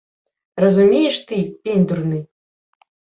Разумееш ты, пень дурны?